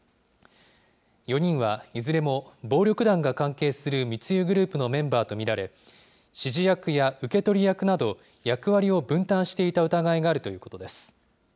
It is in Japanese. ４人はいずれも暴力団が関係する密輸グループのメンバーと見られ、指示役や受け取り役など、役割を分担していた疑いがあるということです。